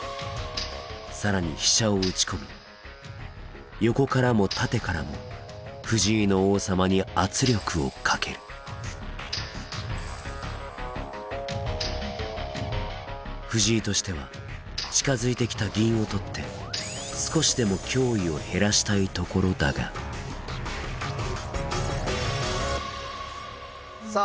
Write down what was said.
更に飛車を打ち込み横からも縦からも藤井の王様に圧力をかける藤井としては近づいてきた銀を取って少しでも脅威を減らしたいところだがさあ